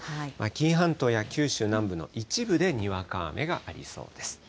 紀伊半島や九州南部の一部でにわか雨がありそうです。